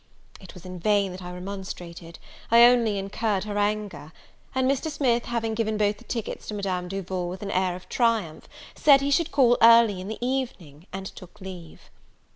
It was in vain that I remonstrated; I only incurred her anger: and Mr. Smith having given both the tickets to Madame Duval with an air of triumph, said he should call early in the evening, and took leave.